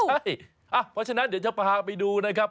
เพราะฉะนั้นเดี๋ยวจะพาไปดูนะครับ